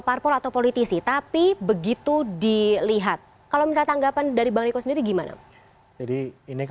parpol atau politisi tapi begitu dilihat kalau misal tanggapan dari bariko sendiri gimana jadi ini